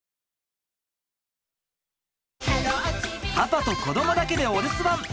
パパと子どもだけでお留守番。